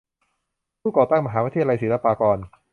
ผู้ก่อตั้งมหาวิทยาลัยศิลปากร